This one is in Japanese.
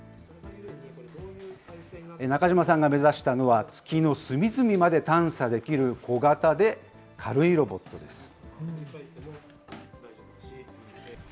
中島さんが目指したのは、月の隅々まで探査できる、小型で軽いロボットです。